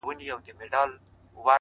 په يبلو پښو روان سو؛